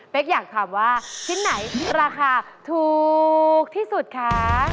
เป็นอยากถามว่าชิ้นไหนราคาถูกที่สุดคะ